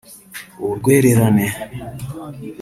Urwererane